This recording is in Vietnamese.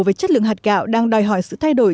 với chất lượng hạt gạo đang đòi hỏi sự thay đổi